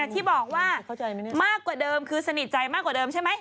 ที่บอกว่ามากกว่าเดิมคือสนิทใจมากกว่าเดิมใช่ไหม